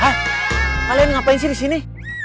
hah kalian ngapain sih disini